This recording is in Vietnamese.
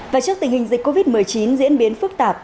và trước tình hình dịch covid một mươi chín diễn biến phức tạp